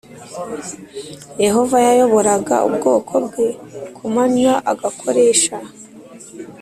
Yehova yayoboraga ubwoko bwe ku manywa agakoresha